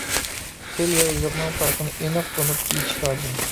تىل ۋە يېزىقنىڭ پەرقىنى ئېنىق تونۇپ يېتىش لازىم.